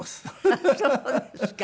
あっそうですか。